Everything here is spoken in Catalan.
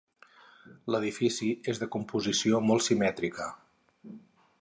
L'edifici és de composició molt simètrica.